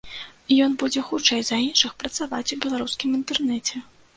Ён будзе хутчэй за іншых працаваць у беларускім інтэрнэце.